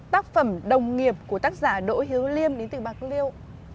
tác phẩm đồng nghiệp của tác giả đỗ hiếu liêm đến từ bạc liêu